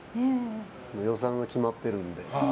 予算が決まってるので。